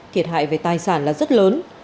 thiệt hại về tài sản là rất lớn